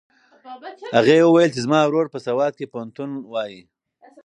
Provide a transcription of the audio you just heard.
هغې وویل چې زما ورور په سوات کې پوهنتون لولي.